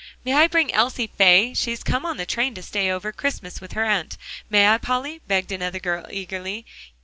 "May I bring Elsie Fay? she's come on the train to stay over Christmas with her aunt. May I, Polly?" begged another girl eagerly.